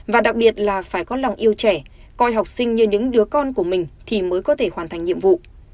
và đặc biệt là phải có lòng yêu trẻ coi học sinh như những đứa con của mình thì mới có thể hoàn thành nhiệm vụ